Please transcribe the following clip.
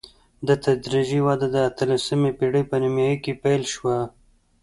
دا تدریجي وده د اتلسمې پېړۍ په نیمايي کې پیل شوه.